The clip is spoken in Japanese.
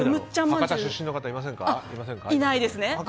博多出身の方、いませんか。